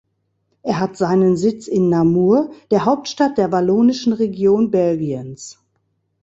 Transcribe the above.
Er hat seinen Sitz in Namur, der Hauptstadt der wallonischen Region Belgiens.